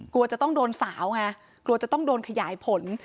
กลัวจะต้องโดนสาวไงกลัวจะต้องโดนขยายผล